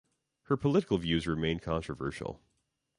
Her political views remained controversial.